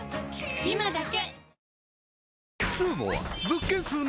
今だけ！